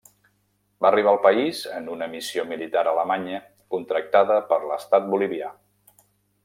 Va arribar al país en una missió militar alemanya contractada per l'estat bolivià.